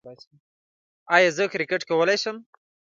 ایا زه کرکټ کولی شم؟